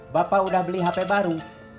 bapak udah beli hp baru